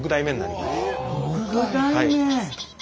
６代目！